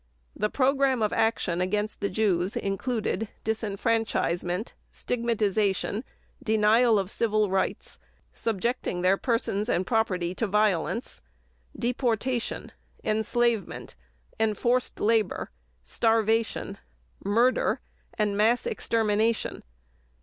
The program of action against the Jews included disfranchisement, stigmatization, denial of civil rights, subjecting their persons and property to violence, deportation, enslavement, enforced labor, starvation, murder, and mass extermination.